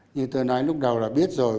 như tôi nói lúc đầu là biết rồi